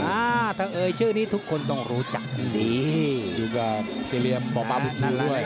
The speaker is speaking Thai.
อ่าถ้าเอ่ยชื่อนี้ทุกคนต้องรู้จักดีอยู่กับสี่เหลี่ยมบ่อบาบุญชันด้วย